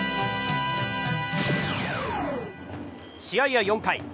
試合は４回。